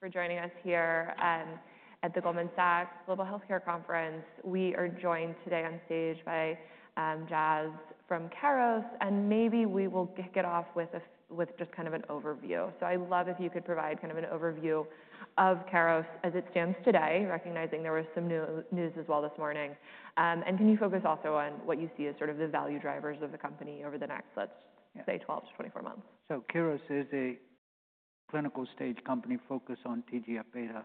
Thanks for joining us here at the Goldman Sachs Global Healthcare Conference. We are joined today on stage by Jas from Keros, and maybe we will get off with just kind of an overview. I would love if you could provide kind of an overview of Keros as it stands today, recognizing there was some news as well this morning. Can you focus also on what you see as sort of the value drivers of the company over the next, let's say, 12 to 24 months? Keros is a clinical stage company focused on the TGF-β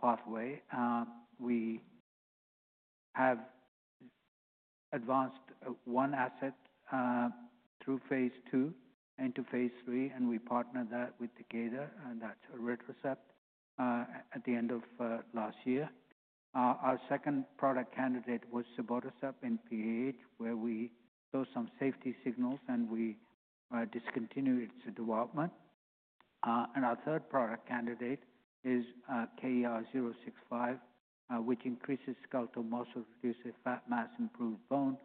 pathway. We have advanced one asset through phase II into phase III, and we partnered that with Decada, and that's Aritrecept at the end of last year. Our second product candidate was Subotrecept in PH, where we saw some safety signals and we discontinued its development. Our third product candidate is KER-065, which increases skeletal muscle, reduces fat mass, improves bone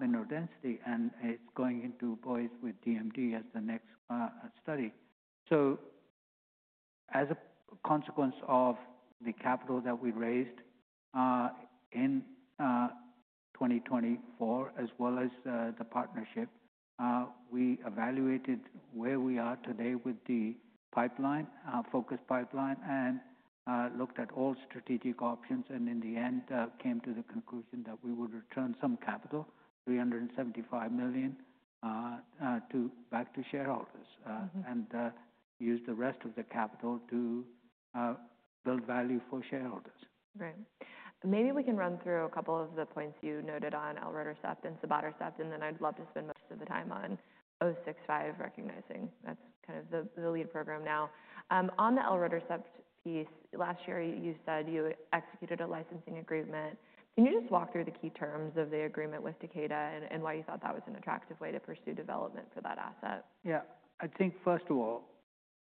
mineral density, and it's going into boys with DMD as the next study. As a consequence of the capital that we raised in 2024, as well as the partnership, we evaluated where we are today with the focused pipeline and looked at all strategic options, and in the end came to the conclusion that we would return some capital, $375 million, back to shareholders and use the rest of the capital to build value for shareholders. Right. Maybe we can run through a couple of the points you noted on Aritrecept and Subotrecept, and then I'd love to spend most of the time on 065, recognizing that's kind of the lead program now. On the Aritrecept piece, last year you said you executed a licensing agreement. Can you just walk through the key terms of the agreement with Decada and why you thought that was an attractive way to pursue development for that asset? Yeah. I think, first of all,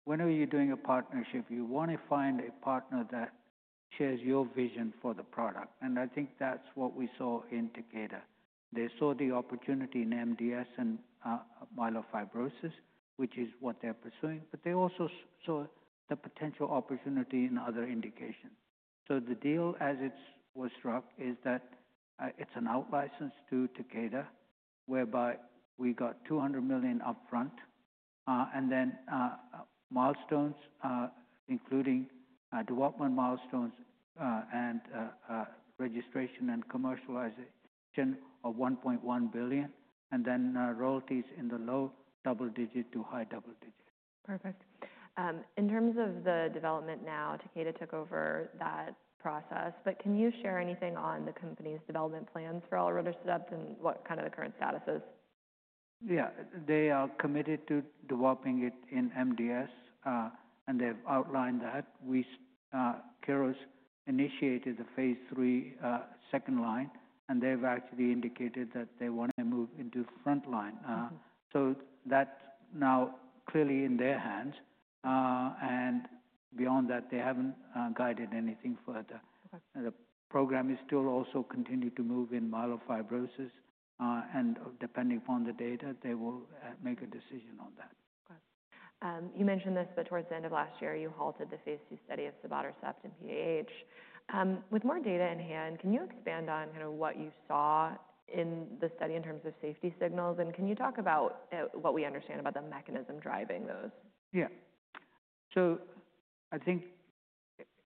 whenever you're doing a partnership, you want to find a partner that shares your vision for the product. I think that's what we saw in Decada. They saw the opportunity in MDS and myelofibrosis, which is what they're pursuing, but they also saw the potential opportunity in other indications. The deal, as it was struck, is that it's an out-license to Decada, whereby we got $200 million upfront, and then milestones, including development milestones and registration and commercialization of $1.1 billion, and then royalties in the low double digit to high double digit. Perfect. In terms of the development now, Decada took over that process, but can you share anything on the company's development plans for Aritrecept and what kind of the current status is? Yeah. They are committed to developing it in MDS, and they've outlined that. Keros initiated the phase III second line, and they've actually indicated that they want to move into front line. That is now clearly in their hands. Beyond that, they haven't guided anything further. The program is still also continuing to move in myelofibrosis, and depending upon the data, they will make a decision on that. You mentioned this, but towards the end of last year, you halted the phase II study of Subotrecept in PH. With more data in hand, can you expand on kind of what you saw in the study in terms of safety signals, and can you talk about what we understand about the mechanism driving those? Yeah. I think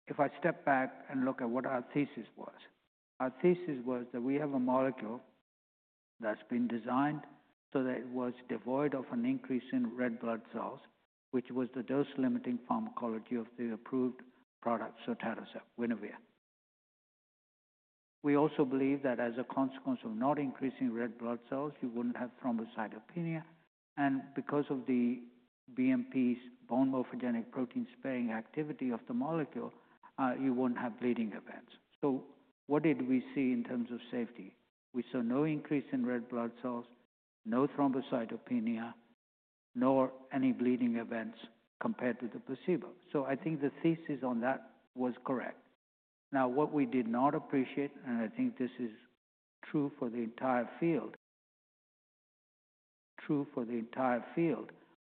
if I step back and look at what our thesis was, our thesis was that we have a molecule that's been designed so that it was devoid of an increase in red blood cells, which was the dose-limiting pharmacology of the approved product, Soterasept Winrevair. We also believe that as a consequence of not increasing red blood cells, you wouldn't have thrombocytopenia, and because of the BMP's bone morphogenetic protein sparing activity of the molecule, you wouldn't have bleeding events. What did we see in terms of safety? We saw no increase in red blood cells, no thrombocytopenia, nor any bleeding events compared to the placebo. I think the thesis on that was correct. Now, what we did not appreciate, and I think this is true for the entire field,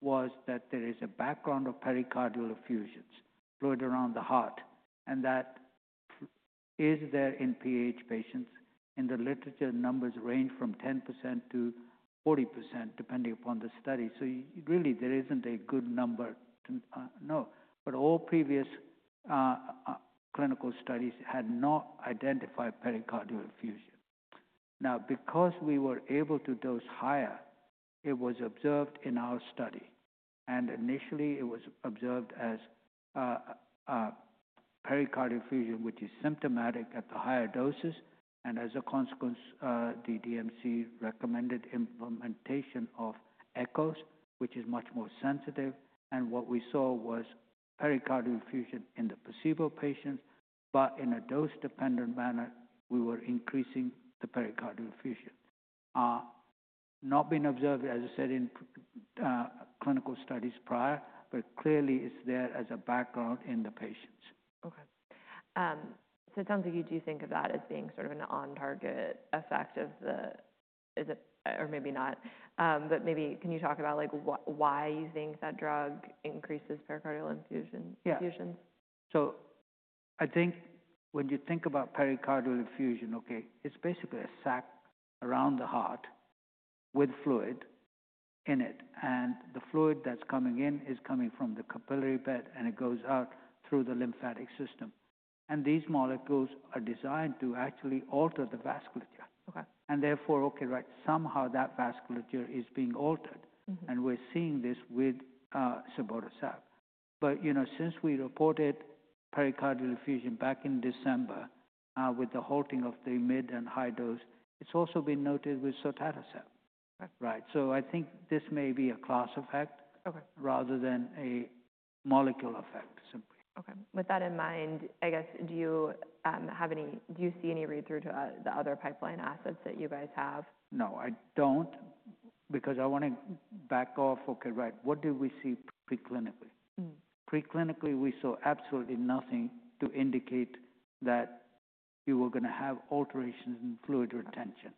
was that there is a background of pericardial effusions flowing around the heart, and that is there in PH patients. In the literature, numbers range from 10%-40%, depending upon the study. Really, there isn't a good number to know, but all previous clinical studies had not identified pericardial effusion. Now, because we were able to dose higher, it was observed in our study, and initially it was observed as pericardial effusion, which is symptomatic at the higher doses, and as a consequence, the DMC recommended implementation of echoes, which is much more sensitive. What we saw was pericardial effusion in the placebo patients, but in a dose-dependent manner, we were increasing the pericardial effusion. Not been observed, as I said, in clinical studies prior, but clearly it's there as a background in the patients. Okay. So it sounds like you do think of that as being sort of an on-target effect of the, or maybe not, but maybe can you talk about why you think that drug increases pericardial effusions? Yeah. I think when you think about pericardial effusion, okay, it's basically a sac around the heart with fluid in it, and the fluid that's coming in is coming from the capillary bed, and it goes out through the lymphatic system. These molecules are designed to actually alter the vasculature. Therefore, okay, right, somehow that vasculature is being altered, and we're seeing this with Subotrecept. Since we reported pericardial effusion back in December with the halting of the mid and high dose, it's also been noted with Sotatercept. Right. I think this may be a class effect rather than a molecule effect, simply. Okay. With that in mind, I guess, do you have any, do you see any read-through to the other pipeline assets that you guys have? No, I don't, because I want to back off, okay, right, what did we see preclinically? Preclinically, we saw absolutely nothing to indicate that you were going to have alterations in fluid retention.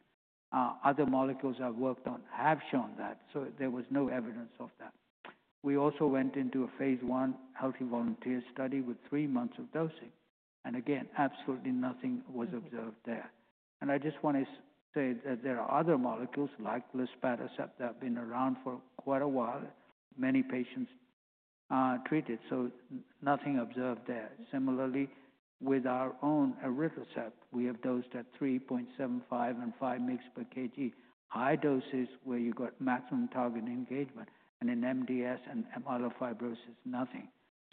Other molecules I've worked on have shown that, so there was no evidence of that. We also went into a phase I healthy volunteer study with three months of dosing, and again, absolutely nothing was observed there. I just want to say that there are other molecules like Luspatercept that have been around for quite a while, many patients treated, so nothing observed there. Similarly, with our own Aritrecept, we have dosed at 3.75 and 5 mg per kg, high doses where you got maximum target engagement, and in MDS and myelofibrosis, nothing.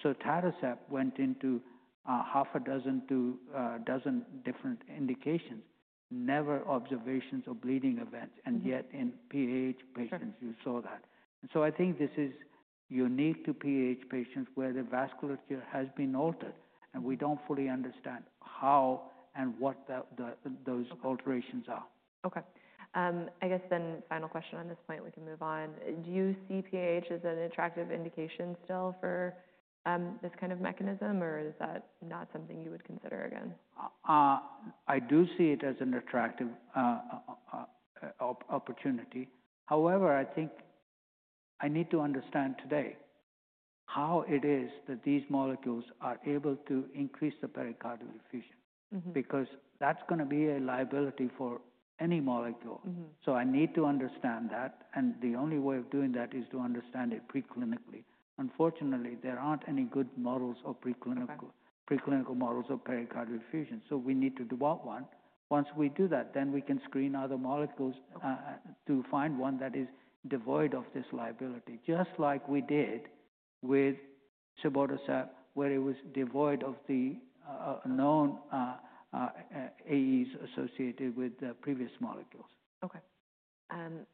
Sotatercept went into half a dozen to a dozen different indications, never observations of bleeding events, and yet in PH patients, you saw that. I think this is unique to PH patients where the vasculature has been altered, and we don't fully understand how and what those alterations are. Okay. I guess then final question on this point, we can move on. Do you see PH as an attractive indication still for this kind of mechanism, or is that not something you would consider again? I do see it as an attractive opportunity. However, I think I need to understand today how it is that these molecules are able to increase the pericardial effusion, because that's going to be a liability for any molecule. I need to understand that, and the only way of doing that is to understand it preclinically. Unfortunately, there aren't any good preclinical models of pericardial effusion, so we need to develop one. Once we do that, then we can screen other molecules to find one that is devoid of this liability, just like we did with Subotrecept, where it was devoid of the known AEs associated with the previous molecules. Okay.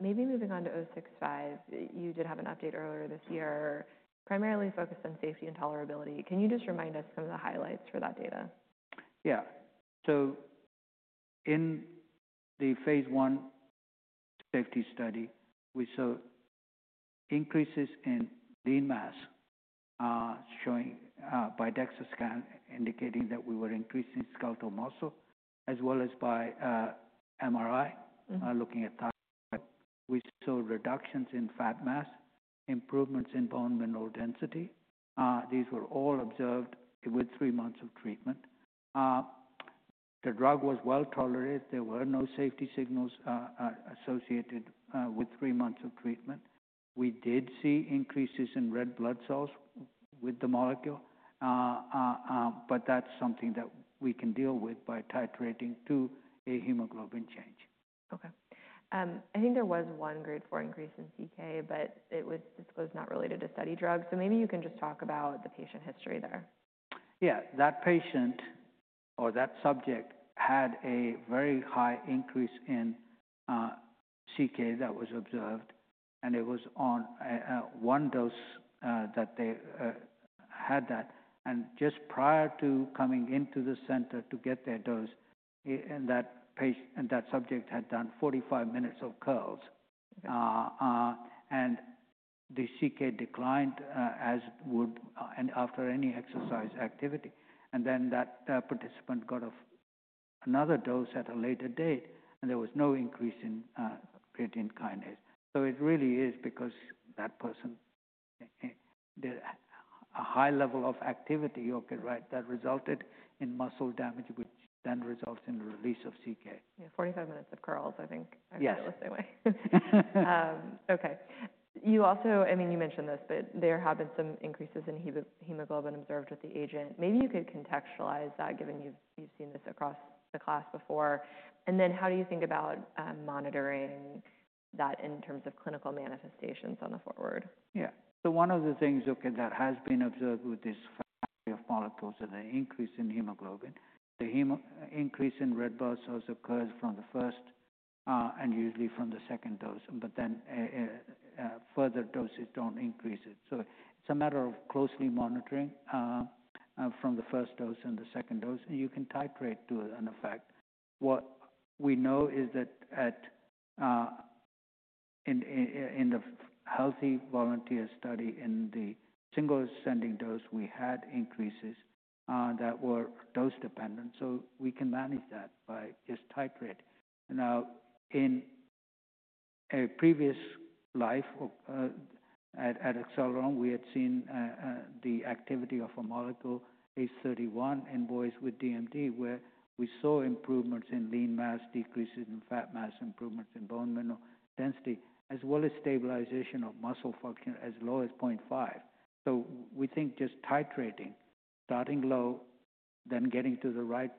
Maybe moving on to 065, you did have an update earlier this year, primarily focused on safety and tolerability. Can you just remind us some of the highlights for that data? Yeah. In the phase I safety study, we saw increases in lean mass shown by DEXA scan indicating that we were increasing skeletal muscle, as well as by MRI looking at thigh. We saw reductions in fat mass, improvements in bone mineral density. These were all observed with three months of treatment. The drug was well tolerated. There were no safety signals associated with three months of treatment. We did see increases in red blood cells with the molecule, but that's something that we can deal with by titrating to a hemoglobin change. Okay. I think there was one grade four increase in CK, but it was disclosed not related to study drug. So maybe you can just talk about the patient history there. Yeah. That patient or that subject had a very high increase in CK that was observed, and it was on one dose that they had that. Just prior to coming into the center to get their dose, that subject had done 45 minutes of curls, and the CK declined as would after any exercise activity. That participant got another dose at a later date, and there was no increase in creatine kinase. It really is because that person did a high level of activity, okay, right, that resulted in muscle damage, which then results in the release of CK. Yeah, 45 minutes of curls, I think I heard it the same way. Okay. You also, I mean, you mentioned this, but there have been some increases in hemoglobin observed with the agent. Maybe you could contextualize that, given you've seen this across the class before. How do you think about monitoring that in terms of clinical manifestations on the forward? Yeah. So one of the things, okay, that has been observed with this family of molecules is an increase in hemoglobin. The increase in red blood cells occurs from the first and usually from the second dose, but then further doses do not increase it. It is a matter of closely monitoring from the first dose and the second dose, and you can titrate to an effect. What we know is that in the healthy volunteer study in the single ascending dose, we had increases that were dose-dependent, so we can manage that by just titrating. Now, in a previous life at Acceleron, we had seen the activity of a molecule H31 in boys with DMD, where we saw improvements in lean mass, decreases in fat mass, improvements in bone mineral density, as well as stabilization of muscle function as low as 0.5. We think just titrating, starting low, then getting to the right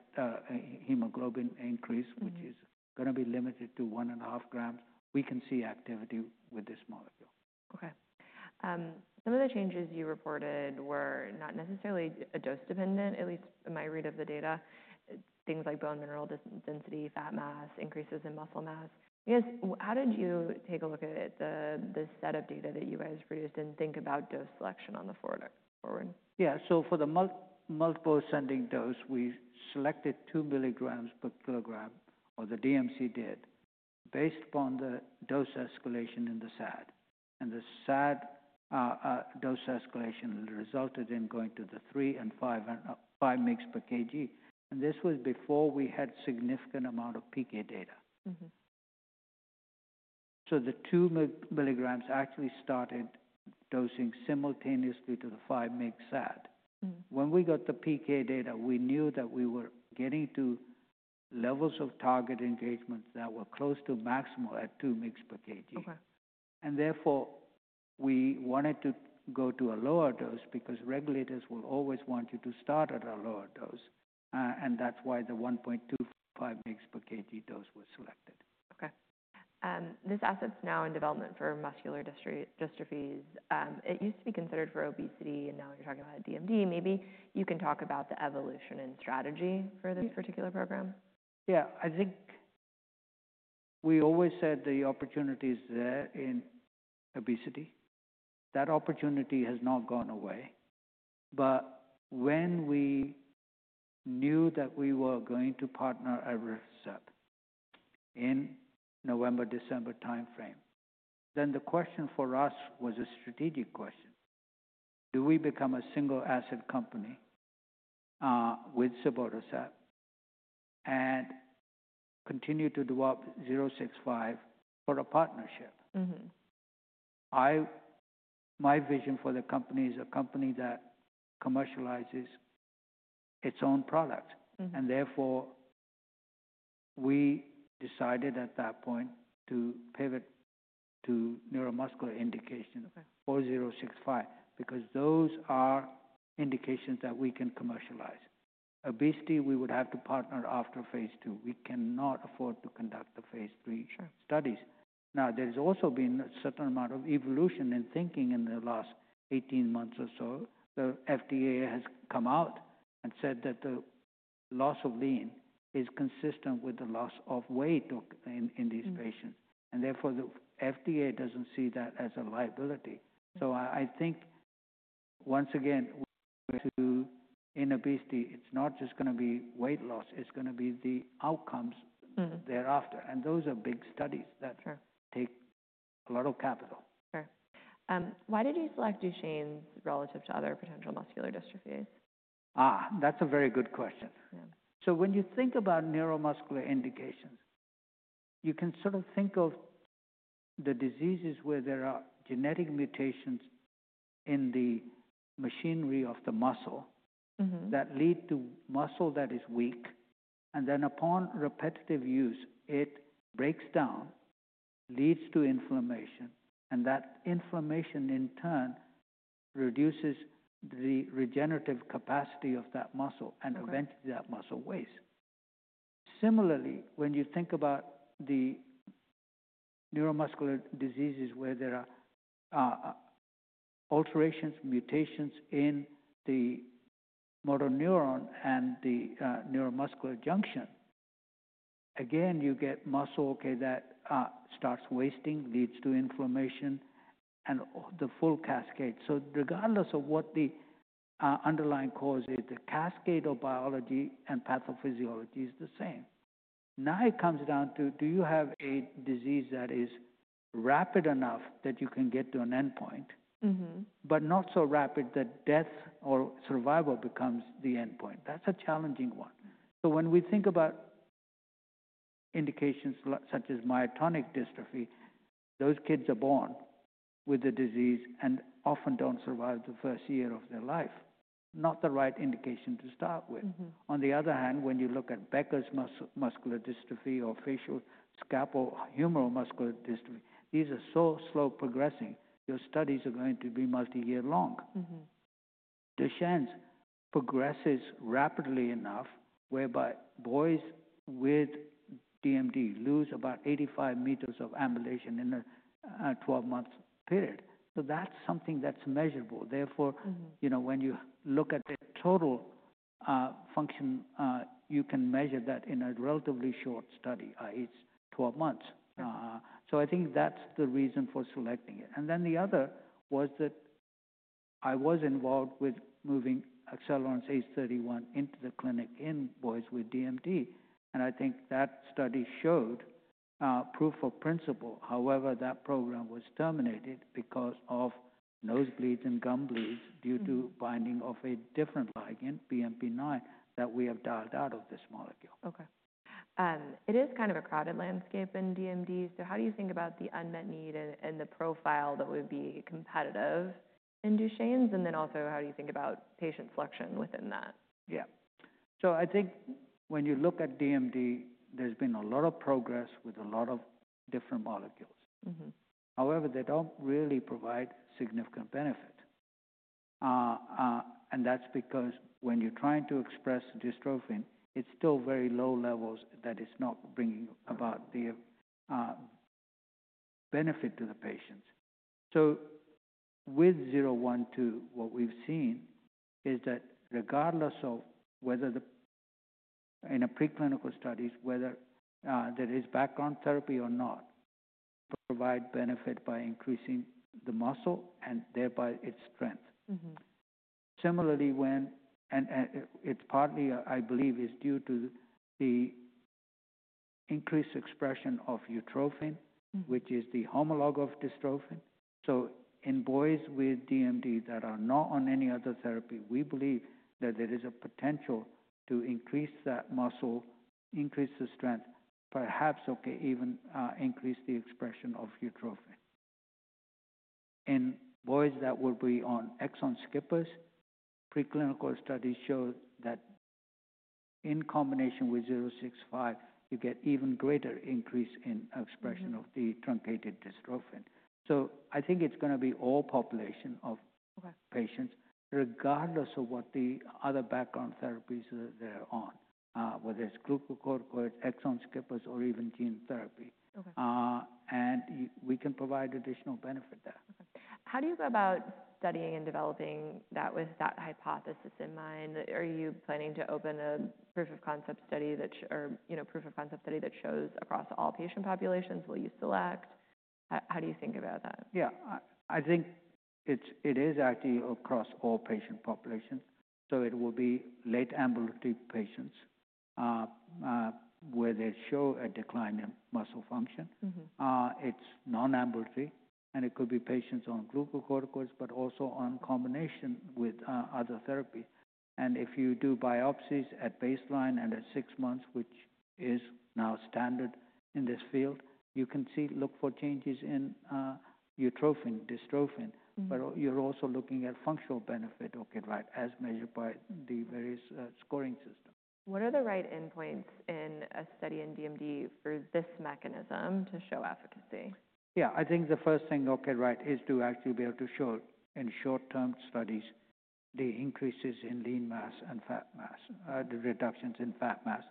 hemoglobin increase, which is going to be limited to 1.5 grams, we can see activity with this molecule. Okay. Some of the changes you reported were not necessarily dose-dependent, at least in my read of the data, things like bone mineral density, fat mass, increases in muscle mass. I guess, how did you take a look at the set of data that you guys produced and think about dose selection on the forward? Yeah. For the multiple ascending dose, we selected 2 mg per kg, or the DMC did, based upon the dose escalation in the SAD. The SAD dose escalation resulted in going to the 3 and 5 mg per kg. This was before we had a significant amount of PK data. The 2 mg actually started dosing simultaneously to the 5 mg SAD. When we got the PK data, we knew that we were getting to levels of target engagement that were close to maximal at 2 mg per kg. Therefore, we wanted to go to a lower dose because regulators will always want you to start at a lower dose, and that's why the 1.25 mg per kg dose was selected. Okay. This asset's now in development for muscular dystrophies. It used to be considered for obesity, and now you're talking about DMD. Maybe you can talk about the evolution and strategy for this particular program? Yeah. I think we always said the opportunity is there in obesity. That opportunity has not gone away, but when we knew that we were going to partner Aritrecept in November, December timeframe, then the question for us was a strategic question. Do we become a single asset company with Subotrecept and continue to develop 065 for a partnership? My vision for the company is a company that commercializes its own products, and therefore we decided at that point to pivot to neuromuscular indication for 065 because those are indications that we can commercialize. Obesity, we would have to partner after phase II. We cannot afford to conduct the phase III studies. Now, there's also been a certain amount of evolution in thinking in the last 18 months or so. The FDA has come out and said that the loss of lean is consistent with the loss of weight in these patients, and therefore the FDA doesn't see that as a liability. I think once again, to in obesity, it's not just going to be weight loss, it's going to be the outcomes thereafter, and those are big studies that take a lot of capital. Sure. Why did you select Duchenne relative to other potential muscular dystrophies? That's a very good question. When you think about neuromuscular indications, you can sort of think of the diseases where there are genetic mutations in the machinery of the muscle that lead to muscle that is weak, and then upon repetitive use, it breaks down, leads to inflammation, and that inflammation in turn reduces the regenerative capacity of that muscle, and eventually that muscle wastes. Similarly, when you think about the neuromuscular diseases where there are alterations, mutations in the motor neuron and the neuromuscular junction, again, you get muscle, okay, that starts wasting, leads to inflammation, and the full cascade. Regardless of what the underlying cause is, the cascade of biology and pathophysiology is the same. Now it comes down to, do you have a disease that is rapid enough that you can get to an endpoint, but not so rapid that death or survival becomes the endpoint? That's a challenging one. So when we think about indications such as myotonic dystrophy, those kids are born with the disease and often don't survive the first year of their life. Not the right indication to start with. On the other hand, when you look at Becker's muscular dystrophy or facioscapulohumeral muscular dystrophy, these are so slow progressing, your studies are going to be multi-year long. Duchenne's progresses rapidly enough whereby boys with DMD lose about 85 meters of ambulation in a 12-month period. So that's something that's measurable. Therefore, you know, when you look at the total function, you can measure that in a relatively short study, i.e., 12 months. I think that's the reason for selecting it. And then the other was that I was involved with moving Acceleron's H31 into the clinic in boys with DMD, and I think that study showed proof of principle. However, that program was terminated because of nosebleeds and gum bleeds due to binding of a different ligand, BMP9, that we have dialed out of this molecule. Okay. It is kind of a crowded landscape in DMD, so how do you think about the unmet need and the profile that would be competitive in Duchenne's? And then also, how do you think about patient selection within that? Yeah. I think when you look at DMD, there's been a lot of progress with a lot of different molecules. However, they don't really provide significant benefit. That's because when you're trying to express dystrophin, it's still very low levels that it's not bringing about the benefit to the patients. With 012, what we've seen is that regardless of whether in preclinical studies, whether there is background therapy or not, we provide benefit by increasing the muscle and thereby its strength. Similarly, and it's partly, I believe, due to the increased expression of utrophin, which is the homolog of dystrophin. In boys with DMD that are not on any other therapy, we believe that there is a potential to increase that muscle, increase the strength, perhaps, okay, even increase the expression of utrophin. In boys that would be on Exon Skippers, preclinical studies show that in combination with 065, you get even greater increase in expression of the truncated dystrophin. I think it's going to be all population of patients, regardless of what the other background therapies they're on, whether it's glucocorticoids, Exon Skippers, or even gene therapy. We can provide additional benefit there. How do you go about studying and developing that with that hypothesis in mind? Are you planning to open a proof of concept study or a proof of concept study that shows across all patient populations? Will you select? How do you think about that? Yeah. I think it is actually across all patient populations. It will be late ambulatory patients where they show a decline in muscle function. It's non-ambulatory, and it could be patients on glucocorticoids, but also on combination with other therapies. If you do biopsies at baseline and at six months, which is now standard in this field, you can see, look for changes in utrophin, dystrophin, but you're also looking at functional benefit, okay, right, as measured by the various scoring systems. What are the right endpoints in a study in DMD for this mechanism to show efficacy? Yeah. I think the first thing, okay, right, is to actually be able to show in short-term studies the increases in lean mass and fat mass, the reductions in fat mass,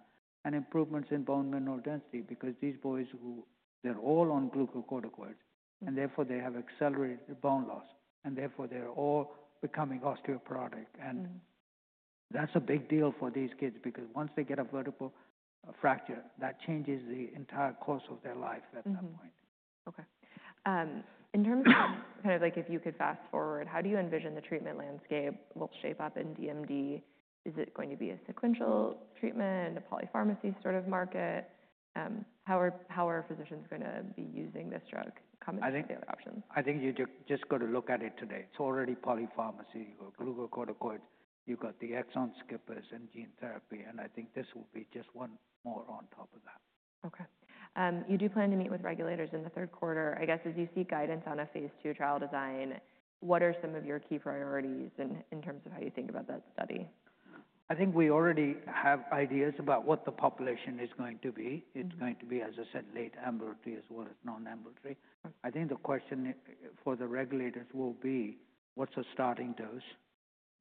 and improvements in bone mineral density because these boys, they're all on glucocorticoids, and therefore they have accelerated bone loss, and therefore they're all becoming osteoporotic. That's a big deal for these kids because once they get a vertebral fracture, that changes the entire course of their life at that point. Okay. In terms of kind of like if you could fast forward, how do you envision the treatment landscape will shape up in DMD? Is it going to be a sequential treatment, a polypharmacy sort of market? How are physicians going to be using this drug? I think you just got to look at it today. It's already polypharmacy. You got glucocorticoids, you got the Exon Skippers and gene therapy, and I think this will be just one more on top of that. Okay. You do plan to meet with regulators in the third quarter. I guess as you see guidance on a phase II trial design, what are some of your key priorities in terms of how you think about that study? I think we already have ideas about what the population is going to be. It's going to be, as I said, late ambulatory as well as non-ambulatory. I think the question for the regulators will be what's the starting dose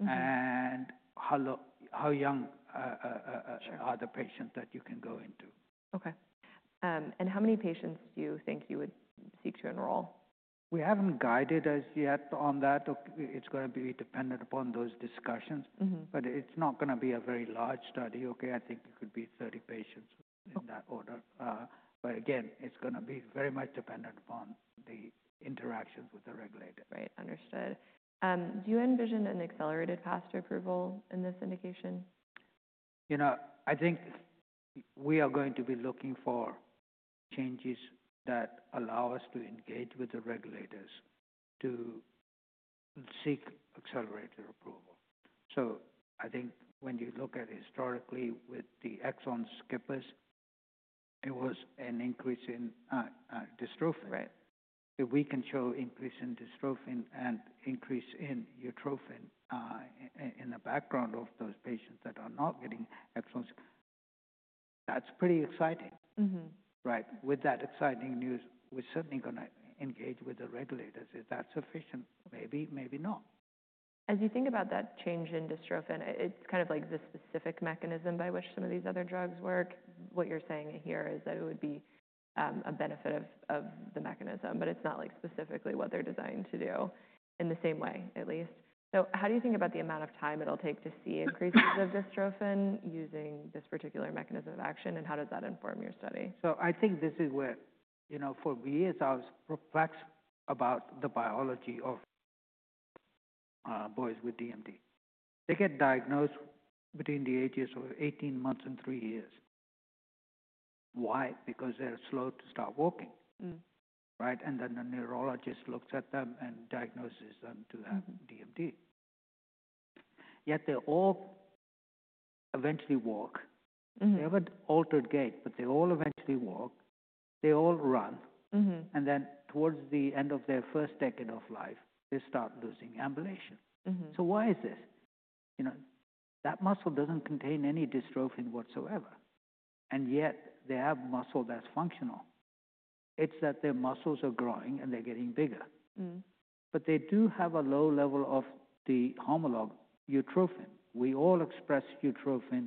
and how young are the patients that you can go into. Okay. How many patients do you think you would seek to enroll? We haven't guided us yet on that. It's going to be dependent upon those discussions, but it's not going to be a very large study. Okay, I think it could be 30 patients in that order. Again, it's going to be very much dependent upon the interactions with the regulator. Right. Understood. Do you envision an accelerated path to approval in this indication? You know, I think we are going to be looking for changes that allow us to engage with the regulators to seek accelerated approval. So I think when you look at historically with the Exon Skippers, it was an increase in dystrophin. If we can show increase in dystrophin and increase in utrophin in the background of those patients that are not getting Exon Skippers, that's pretty exciting. Right. With that exciting news, we're certainly going to engage with the regulators. Is that sufficient? Maybe, maybe not. As you think about that change in dystrophin, it's kind of like the specific mechanism by which some of these other drugs work. What you're saying here is that it would be a benefit of the mechanism, but it's not like specifically what they're designed to do in the same way, at least. How do you think about the amount of time it'll take to see increases of dystrophin using this particular mechanism of action, and how does that inform your study? I think this is where, you know, for years, I was perplexed about the biology of boys with DMD. They get diagnosed between the ages of 18 months and three years. Why? Because they're slow to start walking, right? And then the neurologist looks at them and diagnoses them to have DMD. Yet they all eventually walk. They have an altered gait, but they all eventually walk. They all run. Towards the end of their first decade of life, they start losing ambulation. Why is this? You know, that muscle doesn't contain any dystrophin whatsoever, and yet they have muscle that's functional. It's that their muscles are growing and they're getting bigger. They do have a low level of the homolog utrophin. We all express utrophin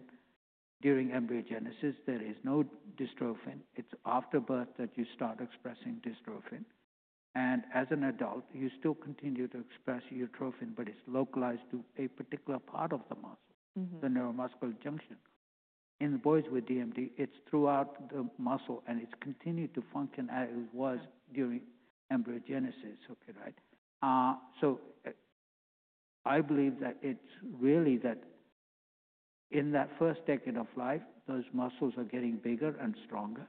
during embryogenesis. There is no dystrophin. It's after birth that you start expressing dystrophin. As an adult, you still continue to express utrophin, but it's localized to a particular part of the muscle, the neuromuscular junction. In boys with DMD, it's throughout the muscle, and it's continued to function as it was during embryogenesis, right? I believe that it's really that in that first decade of life, those muscles are getting bigger and stronger.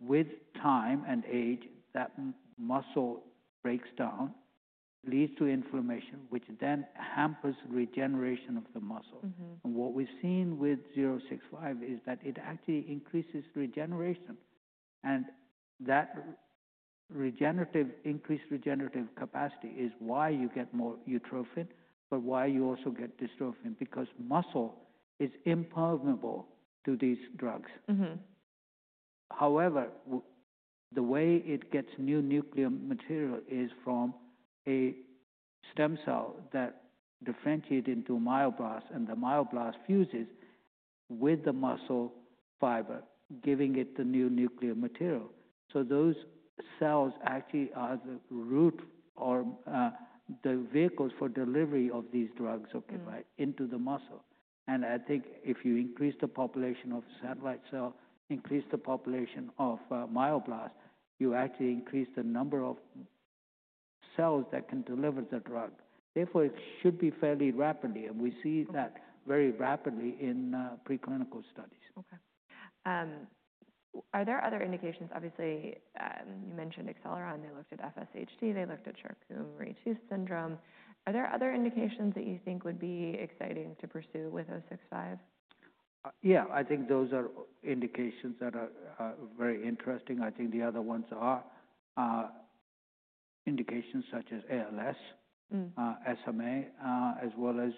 With time and age, that muscle breaks down, leads to inflammation, which then hampers regeneration of the muscle. What we've seen with 065 is that it actually increases regeneration. That increased regenerative capacity is why you get more utrophin, but why you also get dystrophin, because muscle is impermeable to these drugs. However, the way it gets new nuclear material is from a stem cell that differentiates into myoblasts, and the myoblast fuses with the muscle fiber, giving it the new nuclear material. Those cells actually are the root or the vehicles for delivery of these drugs, right, into the muscle. I think if you increase the population of satellite cells, increase the population of myoblasts, you actually increase the number of cells that can deliver the drug. Therefore, it should be fairly rapidly, and we see that very rapidly in preclinical studies. Okay. Are there other indications? Obviously, you mentioned Acceleron. They looked at FSHD. They looked at Charcot-Marie-Tooth syndrome. Are there other indications that you think would be exciting to pursue with 065? Yeah. I think those are indications that are very interesting. I think the other ones are indications such as ALS, SMA, as well as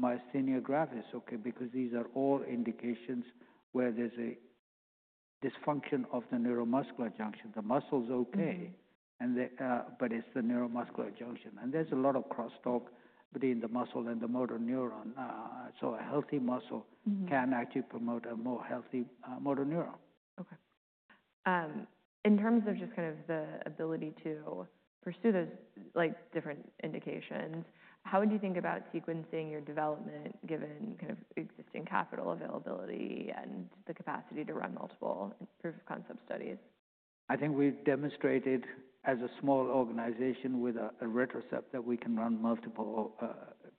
myasthenia gravis, okay, because these are all indications where there's a dysfunction of the neuromuscular junction. The muscle's okay, but it's the neuromuscular junction. There is a lot of crosstalk between the muscle and the motor neuron. A healthy muscle can actually promote a more healthy motor neuron. Okay. In terms of just kind of the ability to pursue those different indications, how would you think about sequencing your development given kind of existing capital availability and the capacity to run multiple proof of concept studies? I think we've demonstrated as a small organization with a retrospect that we can run multiple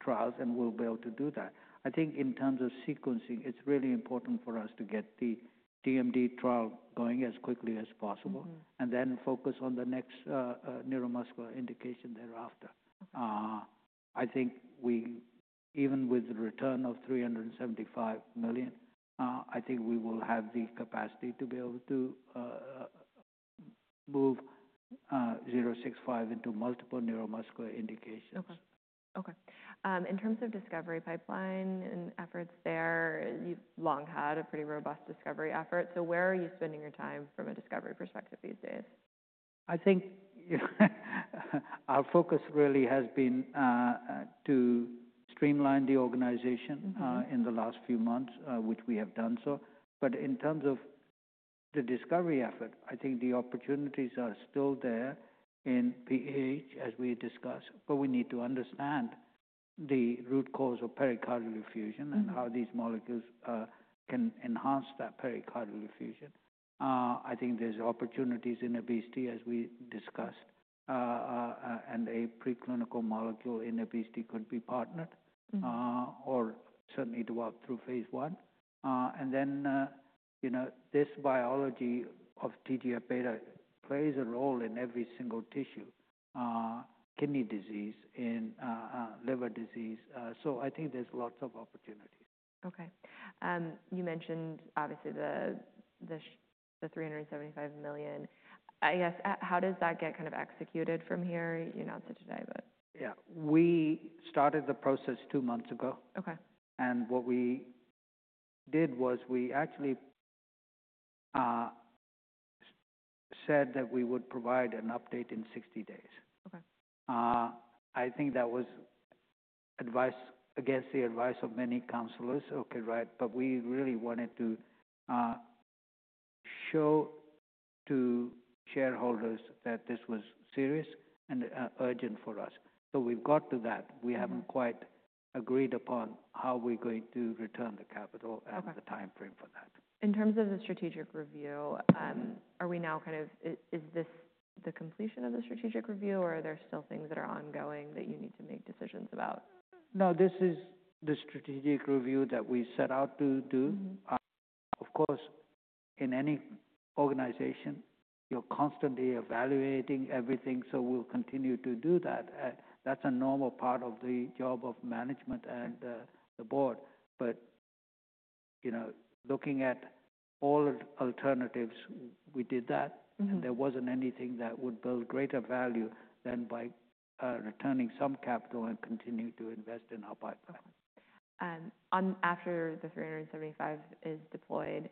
trials, and we'll be able to do that. I think in terms of sequencing, it's really important for us to get the DMD trial going as quickly as possible and then focus on the next neuromuscular indication thereafter. I think we, even with the return of $375 million, I think we will have the capacity to be able to move 065 into multiple neuromuscular indications. Okay. Okay. In terms of discovery pipeline and efforts there, you've long had a pretty robust discovery effort. Where are you spending your time from a discovery perspective these days? I think our focus really has been to streamline the organization in the last few months, which we have done so. In terms of the discovery effort, I think the opportunities are still there in PH, as we discussed, but we need to understand the root cause of pericardial effusion and how these molecules can enhance that pericardial effusion. I think there's opportunities in obesity, as we discussed, and a preclinical molecule in obesity could be partnered or certainly developed through phase I. You know, this biology of TGF-β plays a role in every single tissue: kidney disease, in liver disease. I think there's lots of opportunities. Okay. You mentioned obviously the $375 million. I guess how does that get kind of executed from here? You announced it today, but. Yeah. We started the process two months ago. What we did was we actually said that we would provide an update in 60 days. I think that was against the advice of many counselors, okay, right? We really wanted to show to shareholders that this was serious and urgent for us. We have got to that. We have not quite agreed upon how we are going to return the capital and the timeframe for that. In terms of the strategic review, are we now kind of, is this the completion of the strategic review, or are there still things that are ongoing that you need to make decisions about? No, this is the strategic review that we set out to do. Of course, in any organization, you're constantly evaluating everything. We'll continue to do that. That's a normal part of the job of management and the board. You know, looking at all alternatives, we did that, and there wasn't anything that would build greater value than by returning some capital and continuing to invest in our pipeline. After the $375 million is deployed,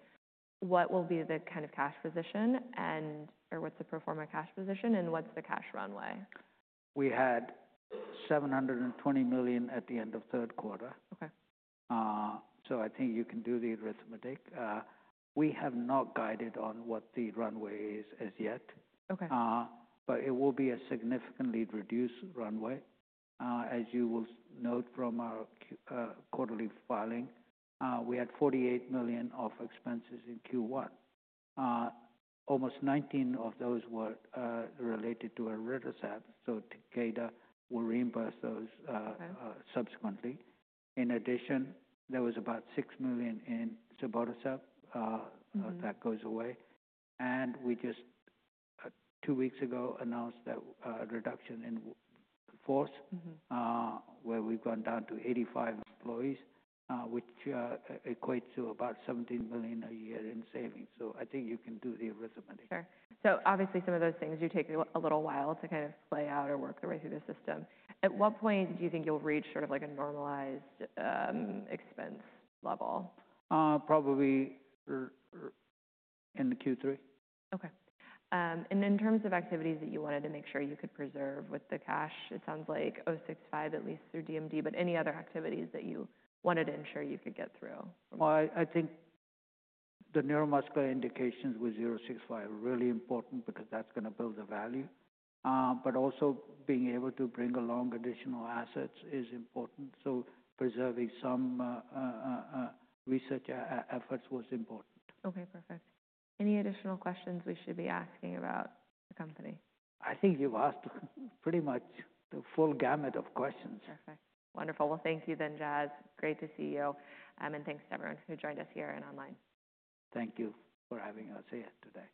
what will be the kind of cash position, and what's the pro forma cash position, and what's the cash runway? We had $720 million at the end of third quarter. I think you can do the arithmetic. We have not guided on what the runway is as yet, but it will be a significantly reduced runway. As you will note from our quarterly filing, we had $48 million of expenses in Q1. Almost $19 million of those were related to Aritrecept. Takeda will reimburse those subsequently. In addition, there was about $6 million in Subotrecept that goes away. We just two weeks ago announced that reduction in force, where we've gone down to 85 employees, which equates to about $17 million a year in savings. I think you can do the arithmetic. Sure. Obviously, some of those things do take a little while to kind of play out or work their way through the system. At what point do you think you'll reach sort of like a normalized expense level? Probably in Q3. Okay. In terms of activities that you wanted to make sure you could preserve with the cash, it sounds like 065 at least through DMD, but any other activities that you wanted to ensure you could get through? I think the neuromuscular indications with 065 are really important because that's going to build the value. Also, being able to bring along additional assets is important. Preserving some research efforts was important. Okay. Perfect. Any additional questions we should be asking about the company? I think you've asked pretty much the full gamut of questions. Perfect. Wonderful. Thank you then, Jas. Great to see you. Thanks to everyone who joined us here and online. Thank you for having us here today.